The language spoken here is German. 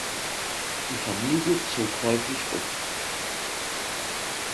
Die Familie zog häufig um.